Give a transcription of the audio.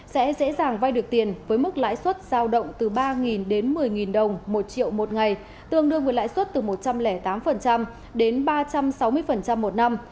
sẽ dễ dàng vay được tiền với mức lãi suất giao động từ ba đến một mươi đồng một triệu một ngày tương đương với lãi suất từ một trăm linh tám đến ba trăm sáu mươi một năm